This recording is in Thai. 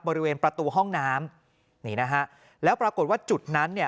บริเวณประตูห้องน้ำแล้วปรากฏว่าจุดนั้น